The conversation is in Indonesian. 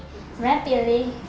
yang itu yang bikin dia agak keras